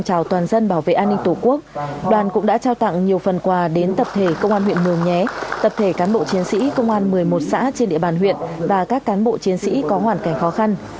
chào toàn dân bảo vệ an ninh tổ quốc đoàn cũng đã trao tặng nhiều phần quà đến tập thể công an huyện mường nhé tập thể cán bộ chiến sĩ công an một mươi một xã trên địa bàn huyện và các cán bộ chiến sĩ có hoàn cảnh khó khăn